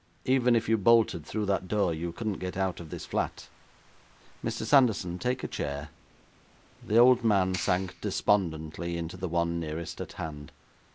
Even if you bolted through that door, you couldn't get out of this flat. Mr. Sanderson, take a chair.' The old man sank despondently into the one nearest at hand.